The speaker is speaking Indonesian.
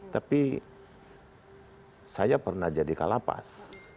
tapi saya pernah jadi kalapas